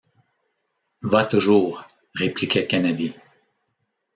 Va toujours », répliquait Kennedy.